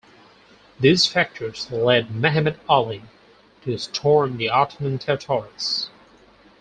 These factors led Mehemet Ali to storm the Ottoman territories.